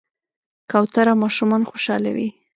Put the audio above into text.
کوتره ماشومان خوشحالوي.